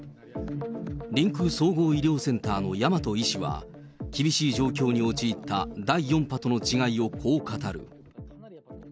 りんくう総合医療センターの倭医師は、厳しい状況に陥った第４波との違いをこう語る。